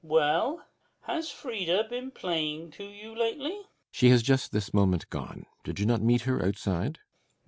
Well, has Frida been playing to you lately? BORKMAN. She has just this moment gone. Did you not meet her outside?